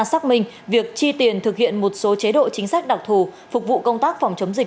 xác minh việc chi tiền thực hiện một số chế độ chính sách đặc thù phục vụ công tác phòng chống dịch